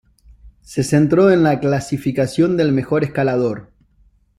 Se centró en la clasificación del mejor escalador.